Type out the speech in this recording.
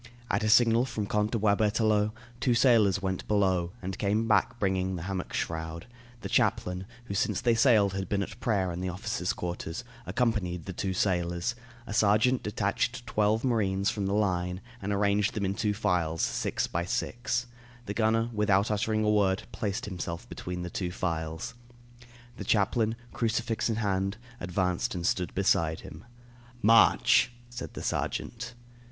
At a signal from Count de Boisberthelot, two sailors went below and came back bringing the hammock shroud; the chaplain, who since they sailed had been at prayer in the officers' quarters, accompanied the two sailors; a sergeant detached twelve marines from the line and arranged them in two files, six by six; the gunner, without uttering a word, placed himself between the two files. The chaplain, crucifix in hand, advanced and stood beside him. "March," said the sergeant.